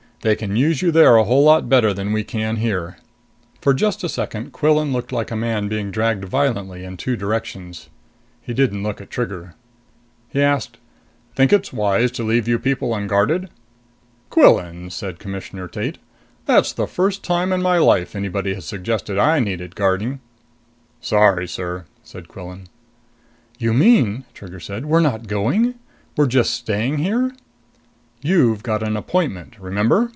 They can use you there a whole lot better than we can here." For just a second, Quillan looked like a man being dragged violently in two directions. He didn't look at Trigger. He asked, "Think it's wise to leave you people unguarded?" "Quillan," said Commissioner Tate, "that's the first time in my life anybody has suggested I need guarding." "Sorry sir," said Quillan. "You mean," Trigger said, "we're not going? We're just staying here?" "You've got an appointment, remember?"